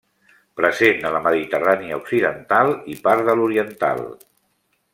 Present a la Mediterrània Occidental i part de l'Oriental.